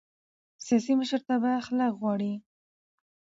سیاسي مشرتابه اخلاق غواړي